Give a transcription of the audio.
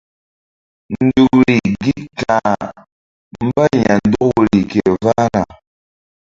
Nzukri gi ka̧h mbay ya̧ndɔk woyri ke vahna.